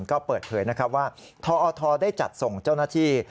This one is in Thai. ก็เปิดเผยนะครับว่าทอทได้จัดส่งเจ้าหน้าที่